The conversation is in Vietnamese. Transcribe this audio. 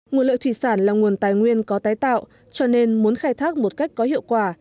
nguồn lợi thủy sản là nguồn tài nguyên có tái tạo cho nên muốn khai thác một cách có hiệu quả